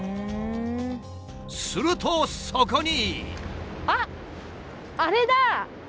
するとそこに。